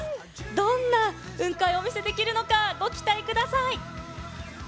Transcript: どんな雲海をお見せできるのかご期待ください。